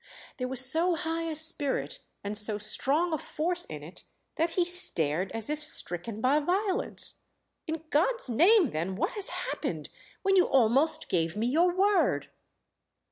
There was so high a spirit and so strong a force in it that he stared as if stricken by violence. "In God's name then what has happened—when you almost gave me your word?"